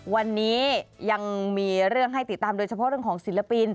วันนี้ยังมีเรื่องให้ติดตามโดยเฉพาะเรื่องของศิลปิน